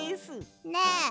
ねえ